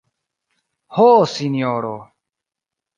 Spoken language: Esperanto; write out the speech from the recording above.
Ho, sinjoro!